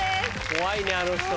怖いねあの人。